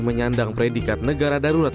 menyandang predikat negara darurat